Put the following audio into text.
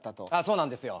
そうなんですよ。